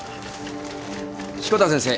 志子田先生。